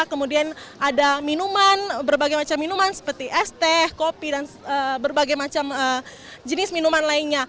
kemudian ada minuman berbagai macam minuman seperti es teh kopi dan berbagai macam jenis minuman lainnya